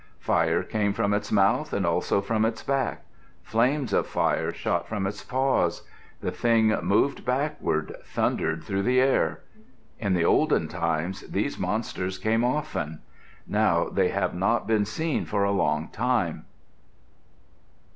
Fire came from its mouth and also from its back. Flames of fire shot from its paws. The Thing, moving backward, thundered through the air. In the olden times, these monsters came often. Now they have not been seen for a long time.